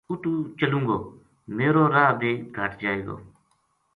اُتو چلوں گو میرو راہ بے گھَٹ جائے گو